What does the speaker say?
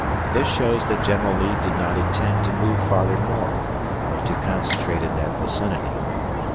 This shows that General Lee did not intend to move farther north, but to concentrate in that vicinity.